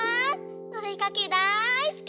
おでかけだいすき！